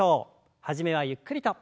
初めはゆっくりと。